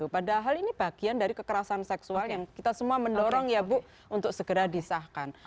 padahal ini bagian dari kekerasan seksual yang kita semua mendorong ya bu untuk segera disahkan